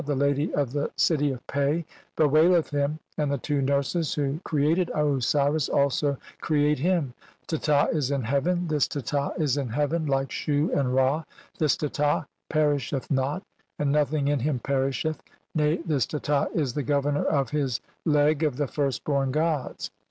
the lady of the city "of Pe, bewaileth him, and the two nurses who creat "ed Osiris also create him ; Teta. is in heaven, this "Teta is in heaven like Shu and Ra. This Teta. pe "risheth not, and nothing in him perisheth, nay this "Teta is the 'Governor of his leg' of the firstborn "gods.